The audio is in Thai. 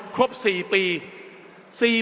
ครบ๔ปี